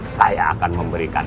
saya akan memberikan